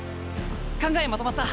考えまとまった。